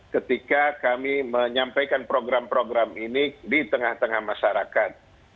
ketika kami menyampaikan program program ini di tengah tengah masyarakat